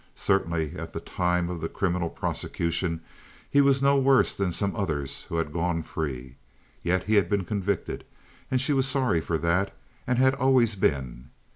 Certainly, at the time of the criminal prosecution he was no worse than some others who had gone free. Yet he had been convicted, and she was sorry for that and had always been.